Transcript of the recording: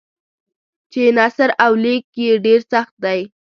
چې نثر او لیک یې ډېر سخت دی.